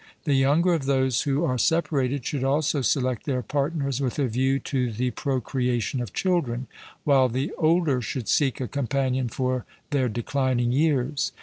The younger of those who are separated should also select their partners with a view to the procreation of children; while the older should seek a companion for their declining years.